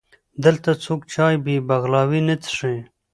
دلته څوک چای بې بغلاوې نه څښي.